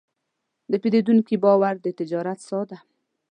د پیرودونکي باور د تجارت ساه ده.